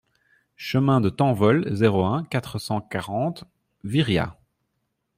Chemin de Tanvol, zéro un, quatre cent quarante Viriat